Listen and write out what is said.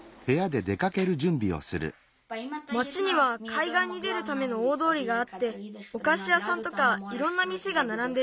町にはかいがんに出るための大どおりがあっておかしやさんとかいろんなみせがならんでる。